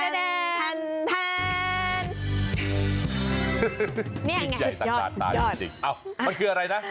นี่ยังไงยอดยอดยอดเอ้ามันคืออะไรนะ